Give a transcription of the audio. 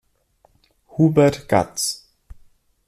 Hubert Gatz.